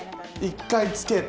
一回つけて。